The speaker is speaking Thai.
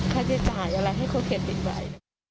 ถ้าจะจ่ายอะไรให้เขาเขียนอีกไว้